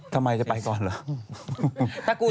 ทำไมจะไปก่อนเหรอ